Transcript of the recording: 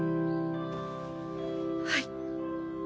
はい。